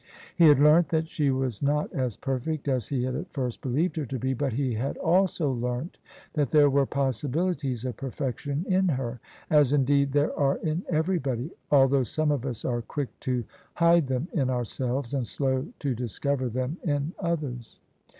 He had learnt that she was not as perfect as he had at first believed her to be: but he had also learnt that there were possibilities of perfection in her — as indeed there are in everybody, although some of us are quick to hide them in ourselves, and slow to discover them in others.